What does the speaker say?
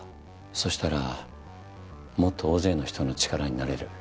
そしたらもっと大勢の人の力になれる。